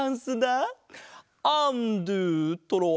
アンドゥトロワ。